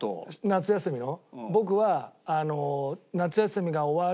夏休みの？